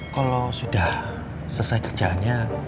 kalau sudah selesai kerjaannya